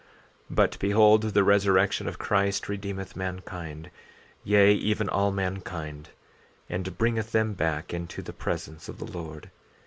14:17 But behold, the resurrection of Christ redeemeth mankind, yea, even all mankind, and bringeth them back into the presence of the Lord.